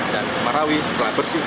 dan marawi telah bersih